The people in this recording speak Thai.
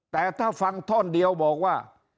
แต่ถ้าฟังท่อนเดียวบอกว่า